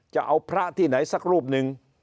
จะเอาพระที่ไหนสักรูปหนึ่ง